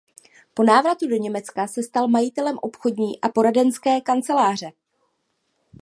Po návratu do Německa se stal majitelem obchodní a poradenské kanceláře.